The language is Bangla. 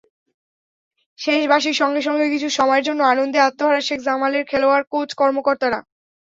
শেষ বাঁশির সঙ্গে সঙ্গে কিছু সময়ের জন্য আনন্দে আত্মহারা শেখ জামালের খেলোয়াড়–কোচ–কর্মকর্তারা।